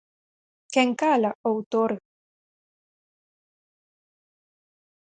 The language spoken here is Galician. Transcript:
Quen cala, outorga.